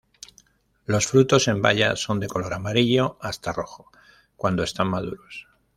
Los frutos, en baya, son de color amarillo hasta rojo, cuando están maduros.